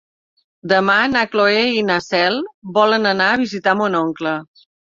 Demà na Cloè i na Cel volen anar a visitar mon oncle.